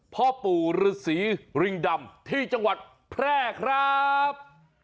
พ่อปู่ฤษีริงดำที่จังหวัดแพร่ครับ